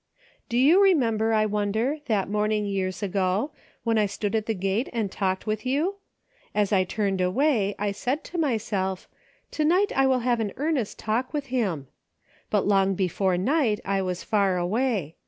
Do you remember, I wonder, that morn ing years ago when I stood at the gate and talked with you ? As I turned away, I said to myself :" To night I will have an earnest talk with him." But long before night I was far away.